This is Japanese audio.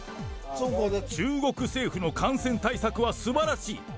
中国政府の感染対策はすばらしい。